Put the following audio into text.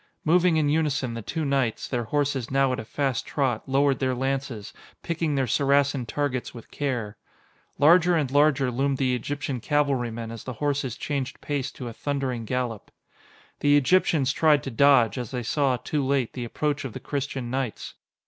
Moving in unison, the two knights, their horses now at a fast trot, lowered their lances, picking their Saracen targets with care. Larger and larger loomed the Egyptian cavalrymen as the horses changed pace to a thundering gallop. The Egyptians tried to dodge, as they saw, too late, the approach of the Christian knights.